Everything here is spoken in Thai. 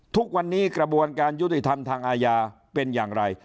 ทุกวันนี้กระบวนการยุติธรรมทางอาญาเป็นอย่างไร